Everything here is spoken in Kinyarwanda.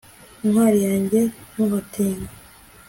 ntwari yanjye ntuhatinye